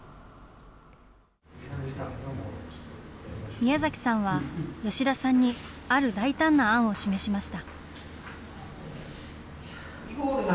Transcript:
宮崎さんは吉田さんに、ある大胆な案を示しました。